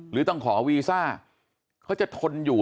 หรือต้องขอวีซ่าเขาจะทนอยู่